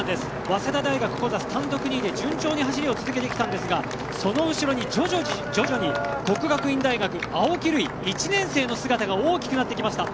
早稲田大学は単独２位でここまで順調に走りを続けてきたんですがその後ろに徐々に國學院大學、青木瑠郁１年生の姿が大きくなってきました。